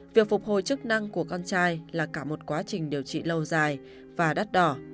việc phục hồi chức năng của con trai là cả một quá trình điều trị lâu dài và đắt đỏ